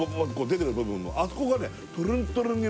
あそこがね